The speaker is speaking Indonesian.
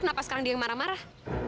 kenapa sekarang dia yang marah marah